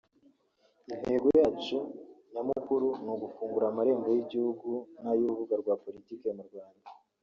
Intego yacu nyamukuru ni ugufungura amarembo y’igihugu n’ay’urubuga rwa politiki mu Rwanda